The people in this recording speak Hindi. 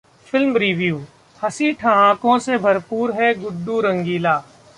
Film Review: हंसी-ठहाकों से भरपूर है 'गुड्डू रंगीला'